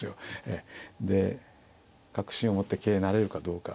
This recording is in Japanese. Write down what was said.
で確信を持って桂成れるかどうか。